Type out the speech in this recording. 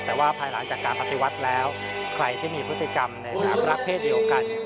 แต่ว่าภายหลังจากการปฏิวัติแล้วใครที่มีพฤติกรรมในฐานะรักเพศเดียวกัน